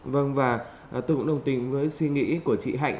vâng và tôi cũng đồng tình với suy nghĩ của chị hạnh